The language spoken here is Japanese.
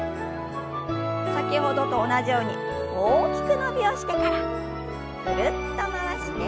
先ほどと同じように大きく伸びをしてからぐるっと回して。